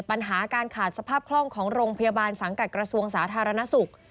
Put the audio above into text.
ปัญหาการขาดสภาพคล่องของโรงพยาบาลสังกัดกระทรวงสาธารณสุข